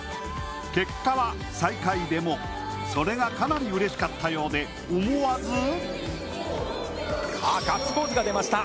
結果は最下位でも、それがかなりうれしかったようで思わず